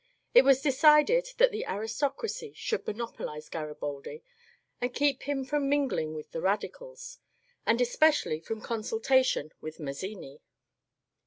It was decided that the aristocracy should monopolize Graribaldi and keep him from mingling with the radicals, and especially from consultation with Mazzini.